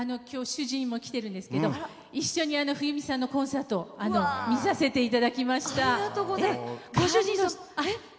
きょう、主人も来てるんですけど一緒に冬美さんのコンサート見させていただきました。